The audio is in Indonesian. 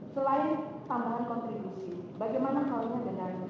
selain tambahan kontribusi